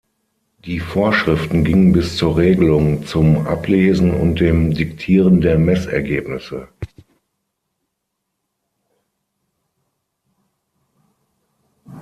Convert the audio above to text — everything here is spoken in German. Die Vorschriften gingen bis zur Regelung zum Ablesen und dem Diktieren der Messergebnisse.